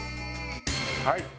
はい。